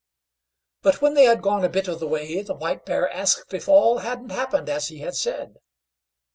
But when they had gone a bit of the way, the White Bear asked if all hadn't happened as he had said.